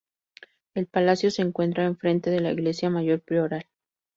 El palacio se encuentra enfrente de la Iglesia Mayor Prioral.